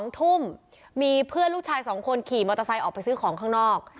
๒ทุ่มมีเพื่อนลูกชาย๒คนขี่มอเตอร์ไซค์ออกไปซื้อของข้างนอก